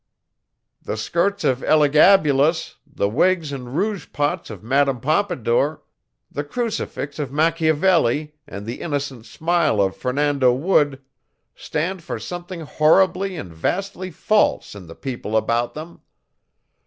The skirts of Elegabalus, the wigs and rouge pots of Madame Pompadour, the crucifix of Machiavelli and the innocent smile of Fernando Wood stand for something horribly and vastly false in the people about them.